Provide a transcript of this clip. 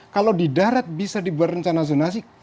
kalau di darat bisa dibuat rencana zonasi